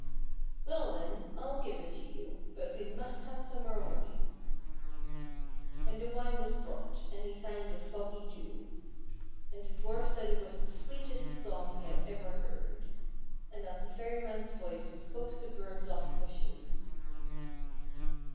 " Well, then, I'll give it to you ; but we must have some more wine." And the wine was brought, and he sang the " Foggy Dew," and the dwarf said it was the sweetest song he had ever heard, and that the fairyman's voice would coax the birds off the bushes.